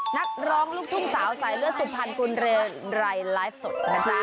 นักร้องลูกทุ่งสาวใส่เลือดสุภัณฑ์คุณเรียนไร้ไร้สด